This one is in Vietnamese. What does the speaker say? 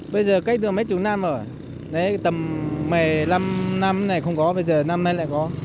bây giờ cách đường mấy chú nam ở đấy tầm một mươi năm năm này không có bây giờ năm nay lại có